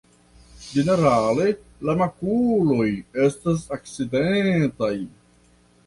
Ĝenerale la makuloj estas acidetaj.